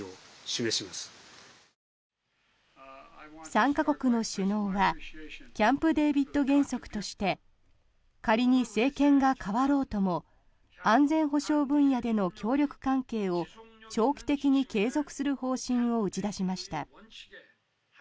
３か国の首脳はキャンプデービッド原則として仮に政権が代わろうとも安全保障分野での協力関係を長期的に継続する方針を打ち出しました。